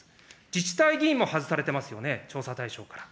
自治体議員も外されてますよね、調査対象から。